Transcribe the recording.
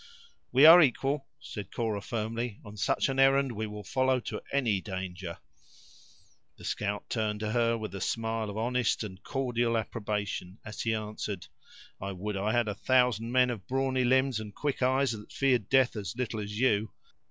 "We are equal," said Cora, firmly; "on such an errand we will follow to any danger." The scout turned to her with a smile of honest and cordial approbation, as he answered: "I would I had a thousand men, of brawny limbs and quick eyes, that feared death as little as you!